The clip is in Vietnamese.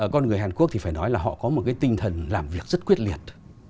con người hàn quốc thì phải nói là họ có một cái tinh thần làm việc rất quyết liệt